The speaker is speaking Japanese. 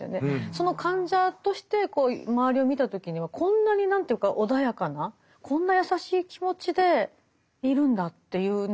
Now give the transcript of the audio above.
その患者として周りを見た時にはこんなに何ていうか穏やかなこんな優しい気持ちでいるんだっていうね